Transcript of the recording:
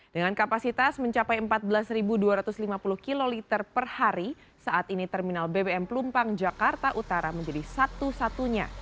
dengan kapasitas mencapai empat belas dua ratus lima puluh kiloliter per hari saat ini terminal bbm pelumpang jakarta utara menjadi satu satunya